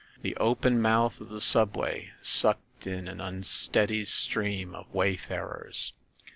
The open mouth of the subway sucked in an unsteady stream of wayfarers.